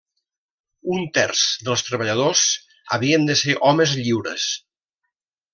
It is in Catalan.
Un terç dels treballadors havien de ser homes lliures.